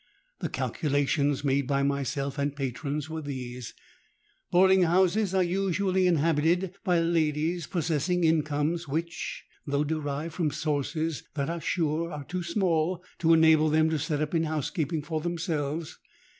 The calculations made by myself and patrons were these:—Boarding houses are usually inhabited by ladies possessing incomes which, though derived from sources that are sure, are too small to enable them to set up in housekeeping for themselves.